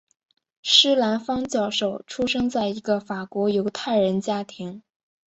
施兰芳教授出生在一个法国犹太人家庭。